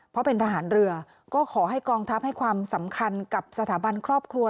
เพราะเป็นทหารเรือก็ขอให้กองทัพให้ความสำคัญกับสถาบันครอบครัว